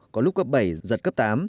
có lúc cấp bảy giật cấp tám